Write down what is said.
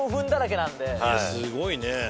すごいね。